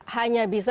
hanya bisa dilakukan